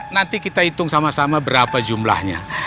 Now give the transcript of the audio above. nanti kita hitung sama sama berapa jumlahnya